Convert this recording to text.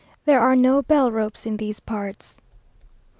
There are no bell ropes in these parts....